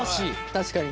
確かに。